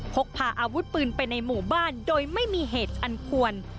พกพาอาวุธปืนไปในหมู่บ้านโดยไม่มีเหตุอันควร